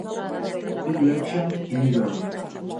New Directions, New York.